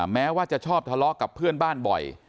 แม้ว่าจะชอบทะเลาะกับเพื่อนบ้านบ่อย